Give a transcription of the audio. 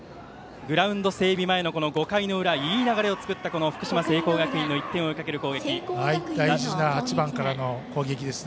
グラウンド整備前の５回の裏いい流れを作った福島・聖光学院１点を追いかける攻撃です。